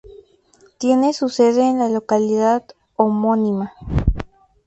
Tiene su sede en la localidad homónima.